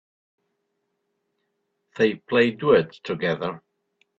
They play duets together.